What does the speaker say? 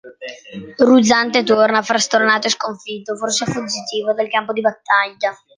Ruzante torna, frastornato e sconfitto, forse fuggitivo, dal campo di battaglia.